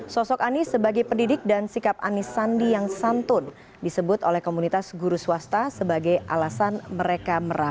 sosok anies sebagai pendidik dan sikap anies sandi yang santun disebut oleh komunitas guru swasta sebagai alasan mereka